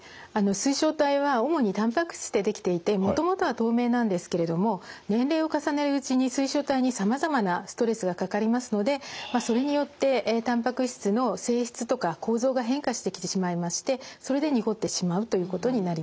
水晶体は主にたんぱく質で出来ていてもともとは透明なんですけれども年齢を重ねるうちに水晶体にさまざまなストレスがかかりますのでそれによってたんぱく質の性質とか構造が変化してきてしまいましてそれで濁ってしまうということになります。